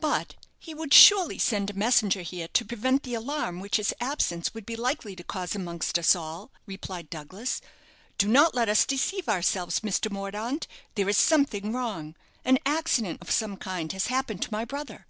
"But he would surely send a messenger here to prevent the alarm which his absence would be likely to cause amongst us all," replied Douglas; "do not let us deceive ourselves, Mr. Mordaunt. There is something wrong an accident of some kind has happened to my brother.